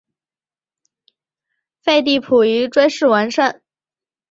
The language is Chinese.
废帝溥仪追谥文慎。